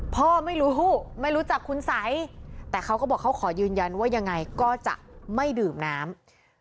พ่อไม่รู้ไม่รู้จักคุณสัยแต่เขาก็บอกเขาขอยืนยันว่ายังไงก็จะไม่ดื่มน้ำ